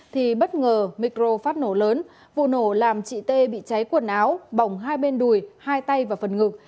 thì bất ngờ micro phát nổ lớn vụ nổ làm chị tê bị cháy quần áo bỏng hai bên đùi hai tay và phần ngực